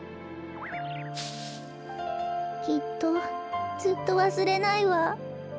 きっとずっとわすれないわ。